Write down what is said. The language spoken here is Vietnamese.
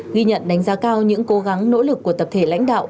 ghi nhận đánh giá cao những cố gắng nỗ lực của tập thể lãnh đạo